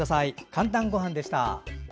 「かんたんごはん」でした。